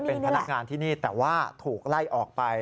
เป็นพนักงานที่นี่แต่ว่าถูกไล่ออกไป